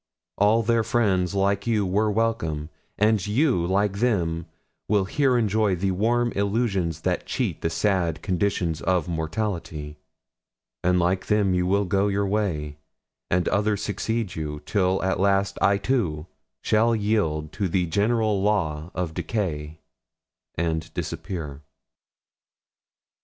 All their friends, like you, were welcome; and you, like them, will here enjoy the warm illusions that cheat the sad conditions of mortality; and like them you will go your way, and others succeed you, till at last I, too, shall yield to the general law of decay, and disappear.'